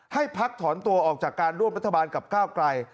ให้พักถอนตัวออกจากการร่วมรัฐบาลกับก้าวไกล